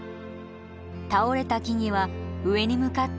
倒れた木々は上に向かって成長を続け